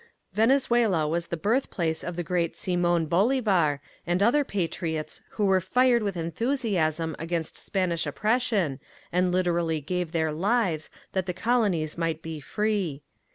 Venezuela was the birthplace of the great Simon Bolivar and other patriots who were fired with enthusiasm against Spanish oppression and literally gave their lives that the colonies might be free.